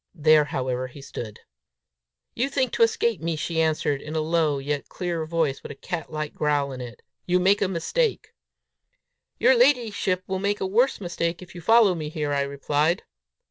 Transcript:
There, however, he stood. "You think to escape me," she answered, in a low, yet clear voice, with a cat like growl in it. "You make a mistake!" "Your ladyship will make a worse mistake if you follow me here," I replied.